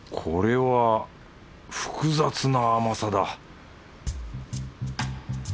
これは複雑な甘さだ